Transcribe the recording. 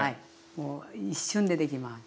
もう一瞬でできます。